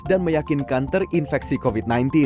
dan meyakinkan terinfeksi covid sembilan belas